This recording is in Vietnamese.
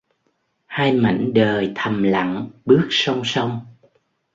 Hai mảnh đời thầm lặng bước song song